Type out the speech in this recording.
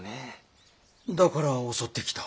だから襲ってきた？